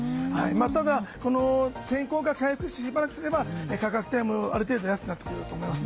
ただ、天候が回復してしばらくすれば、価格もある程度安くなってくると思います。